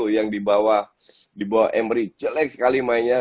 yang dibawa emery jelek sekali mainnya